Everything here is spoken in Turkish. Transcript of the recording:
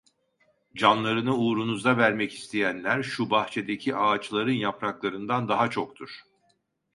Canlarını uğrunuzda vermek isteyenler şu bahçedeki ağaçların yapraklarından daha çoktur.